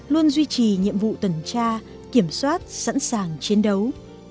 luôn duy trì nhiệm vụ tuần tra kiểm soát sẵn sàng chiến đấu